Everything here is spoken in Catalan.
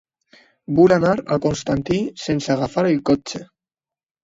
Vull anar a Constantí sense agafar el cotxe.